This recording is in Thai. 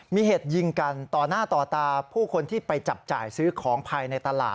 มีเหตุยิงกันต่อหน้าต่อตาผู้คนที่ไปจับจ่ายซื้อของภายในตลาด